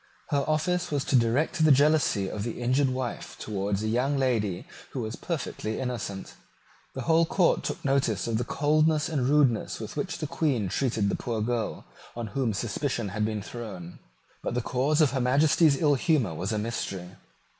Her office was to direct the jealousy of the injured wife towards a young lady who was perfectly innocent. The whole court took notice of the coldness and rudeness with which the Queen treated the poor girl on whom suspicion had been thrown: but the cause of Her Majesty's ill humour was a mystery.